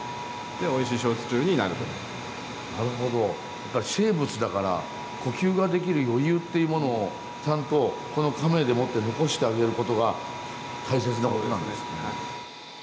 やっぱり生物だから呼吸ができる余裕っていうものをちゃんとこのかめでもって残してあげる事が大切な事なんですね。